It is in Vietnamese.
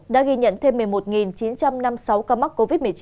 đã ghi nhận thêm một mươi một chín trăm năm mươi sáu ca mắc covid một mươi chín